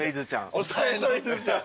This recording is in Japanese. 抑えのいずちゃん。